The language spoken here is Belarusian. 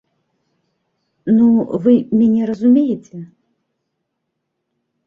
Ну, вы мяне разумееце?